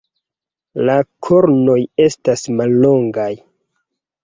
La kornoj estas mallongaj.